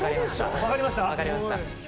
分かりました。